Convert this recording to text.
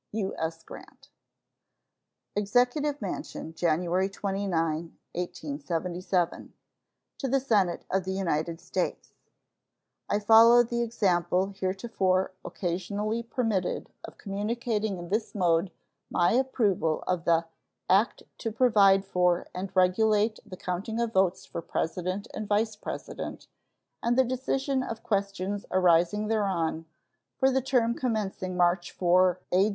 U.S. GRANT. EXECUTIVE MANSION, January 29, 1877. To the Senate of the United States: I follow the example heretofore occasionally permitted of communicating in this mode my approval of the "act to provide for and regulate the counting of votes for President and Vice President, and the decision of questions arising thereon, for the term commencing March 4, A.